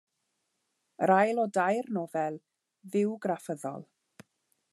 Yr ail o dair nofel fywgraffyddol.